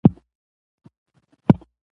مېلې د دودیزو هنرونو د ژوندي ساتلو وسیله ده.